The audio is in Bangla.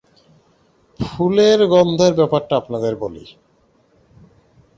ফুলের গন্ধের ব্যাপারটা আপনাদের বলি।